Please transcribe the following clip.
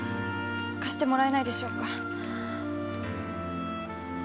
貸してもらえないでしょうか？